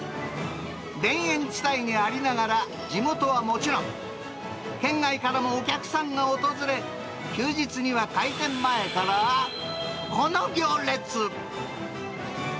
田園地帯にありながら、地元はもちろん、県外からもお客さんが訪れ、休日には開店前から、この行列。